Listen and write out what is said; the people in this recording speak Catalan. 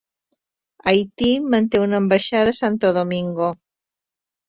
Haití manté una ambaixada a Santo Domingo.